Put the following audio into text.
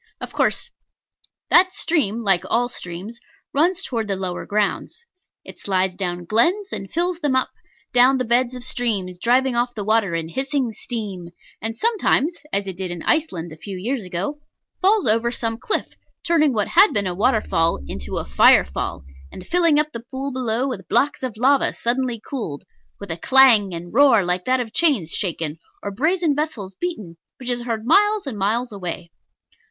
Of course that stream, like all streams, runs towards the lower grounds. It slides down glens, and fills them up; down the beds of streams, driving off the water in hissing steam; and sometimes (as it did in Iceland a few years ago) falls over some cliff, turning what had been a water fall into a fire fall, and filling up the pool below with blocks of lava suddenly cooled, with a clang and roar like that of chains shaken or brazen vessels beaten, which is heard miles and miles away.